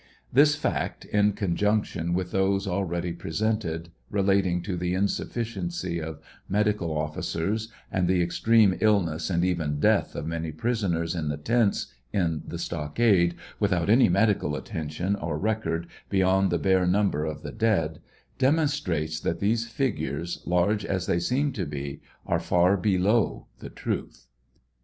This fact, in conjunction with those already presented relating to the insufficiency of medical ofticers and the extreme illness and even death of many prisoners in the tents in the stockade, without any medical attention or record beyond the bare number of the dead, demonstrates that these figures, large as they seem to be, are far below the truth.